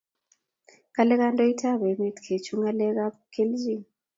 kale kandoit ab emet kechu ngalek ab kilchin